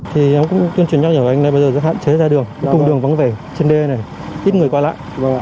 thì em cũng tuyên truyền nhau nhỏ anh bây giờ hạn chế ra đường cung đường vắng vẻ trên đê này ít người qua lại